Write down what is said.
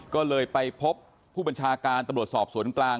ก็เลยไปพบผู้บัญชาการตำรวจสอบสวนกลาง